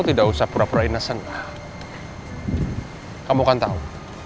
tidak usah pura pura inesan kamu kan tahu